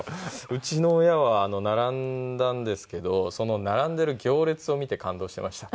うちの親は並んだんですけどその並んでいる行列を見て感動していました。